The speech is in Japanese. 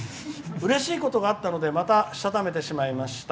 うれしいことがあったのでまた、したためてしまいました。